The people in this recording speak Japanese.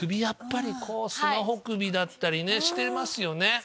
やっぱりこうスマホ首だったりねしてますよね。